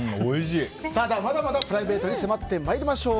では、まだまだプライベートに迫ってまいりましょう。